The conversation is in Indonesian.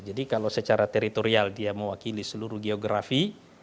jadi kalau secara teritorial dia mewakili seluruh geografi